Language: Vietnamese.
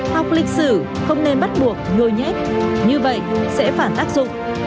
học lịch sử không nên bắt buộc nhồi nhét như vậy sẽ phản tác dụng